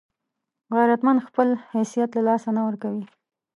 غیرتمند خپل حیثیت له لاسه نه ورکوي